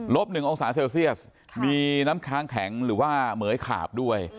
๑องศาเซลเซียสมีน้ำค้างแข็งหรือว่าเหมือยขาบด้วย